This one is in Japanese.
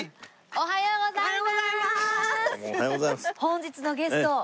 おはようございます。